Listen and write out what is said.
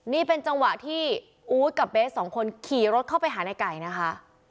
นี่เป็นจังหวะที่อู๊ดกับเบสสองคนขี่รถเข้าไปหาในไก่นะคะ